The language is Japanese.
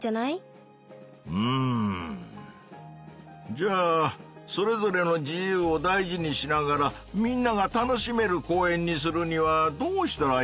じゃあそれぞれの自由を大事にしながらみんなが楽しめる公園にするにはどうしたらいいのかのう。